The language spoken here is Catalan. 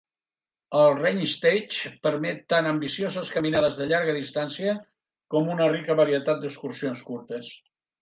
El Rheinsteig permet tant ambicioses caminades de llarga distància com una rica varietat d'excursions curtes.